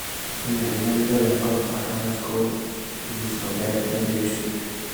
In addition the Bangkok Patana School is located in the district.